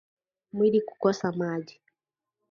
Mwili kukosa maji